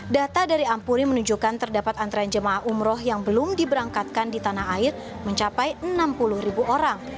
data dari ampuri menunjukkan terdapat antrean jemaah umroh yang belum diberangkatkan di tanah air mencapai enam puluh ribu orang